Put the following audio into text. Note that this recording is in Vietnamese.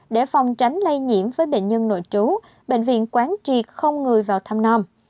để phòng tránh lây nhiễm với bệnh nhân nội trú bệnh viện quán triệt không người vào thăm non